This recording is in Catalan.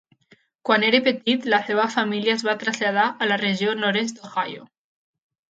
Quan era petit, la seva família es va traslladar a la regió nord-est d'Ohio.